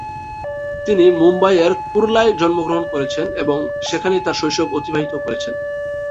তিনি মুম্বইয়ের কুরলায় জন্মগ্রহণ করেছেন এবং সেখানেই তাঁর শৈশব অতিবাহিত করেছেন।